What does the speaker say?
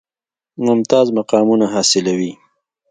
ممتاز مقامونه حاصلوي.